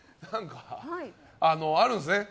あるんですね。